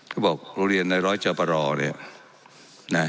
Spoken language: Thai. ก็บอกโรงเรียนในร้อยเจ้าปะรอเลยอะ